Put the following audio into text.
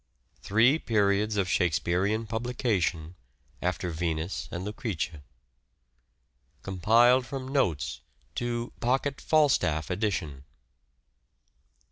Three Periods of Shakespearean Publication after "Venus" and "Lucrece." Compiled from Notes to "Pocket Falstaff " Edition.